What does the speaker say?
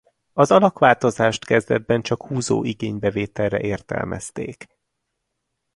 Az alakváltozást kezdetben csak húzó igénybevételre értelmezték.